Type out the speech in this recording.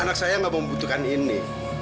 anak saya nggak membutuhkan ini